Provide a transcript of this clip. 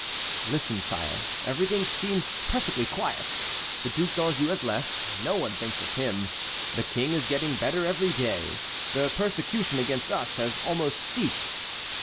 "Listen, sire; everything seems perfectly quiet. The Duc d'Anjou has left; no one thinks of him. The King is getting better every day. The persecution against us has almost ceased.